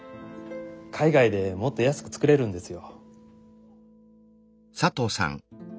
海外でもっと安く作れるんですよ。